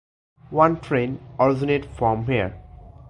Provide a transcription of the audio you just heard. One train originate from here.